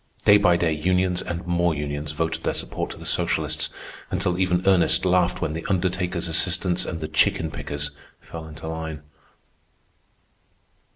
Day by day unions and more unions voted their support to the socialists, until even Ernest laughed when the Undertakers' Assistants and the Chicken Pickers fell into line.